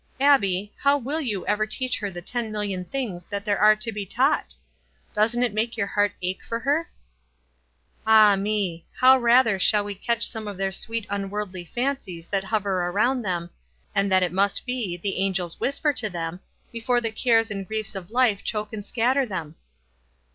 "Abbie, how will you ever teach her the ten million things that there are to be taught ? Doesn't it make your heart uche for her ?" Ah, me ! how rather shall w T e catch some of their sweet unworldly fancies that hover around them, and that it must be, the angels whisper to them, before the cares and griefs of life choke and scatter them